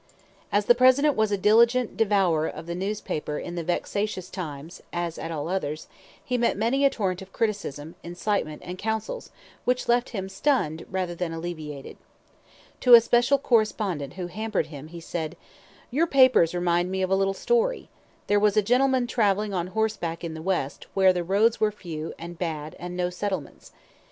As the President was a diligent devourer of the newspaper in the vexatious times (as at all others), he met many a torrent of criticism, incitement, and counsels which left him stunned rather than alleviated. To a special correspondent who hampered him, he said: "Your papers remind me of a little story. There was a gentleman traveling on horseback in the West where the roads were few and bad and no settlements.